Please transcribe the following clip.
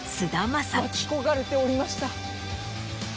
待ち焦がれておりました。